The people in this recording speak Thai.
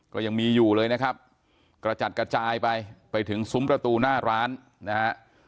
ก็ยังมีอยู่เลยนะครับกระจัดกระจายไปไปถึงซุ้มประตูหน้าร้านนะฮะ